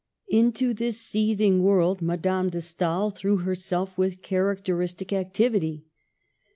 Into this seething world Madame de Stael threw herself with characteristic activity.